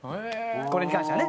これに関してはね。